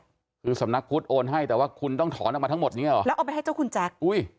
คือสำนักพุทธโอนให้แต่ว่าคุณต้องถอนออกมาทั้งหมดเนี้ยหรอแล้วเอาไปให้เจ้าคุณแจ๊คอุ้ย